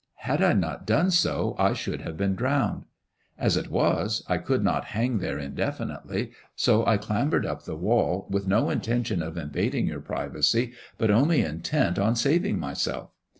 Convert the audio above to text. Had I not done so I should have been drowned. As it was I could not hang L*iere indefinitely, so I clambered up the wall, with no intention of invading your privacy, but only intent on saving myself.